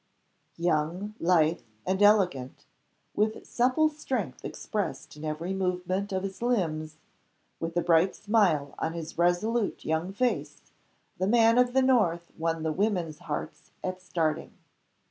Young, lithe, and elegant, with supple strength expressed in every movement of his limbs, with a bright smile on his resolute young face, the man of the north won the women's hearts at starting.